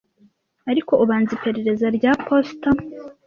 ariko ubanza iperereza rya posita.